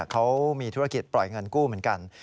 เขามีธุรกิจปล่อยเงินกู้เหมือนกัน